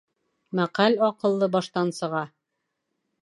Мәҡәл аҡыллы баштан сыға.